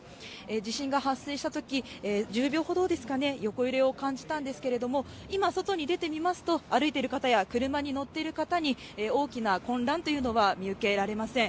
地震が発生したとき、１０秒ほどですかね、横揺れを感じたんですけれども、今、外に出てみますと、歩いてる方や、車に乗っている方に大きな混乱というのは見受けられません。